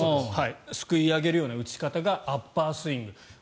すくい上げるような打ち方がアッパースイング。